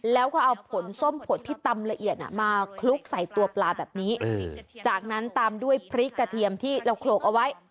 แล้วก็เอาผลส้มผดที่ตำละเอียดมาคลุกใส่ตัวปลาแบบนี้จากนั้นตามด้วยพริกกระเทียมที่เราโขลกเอาไว้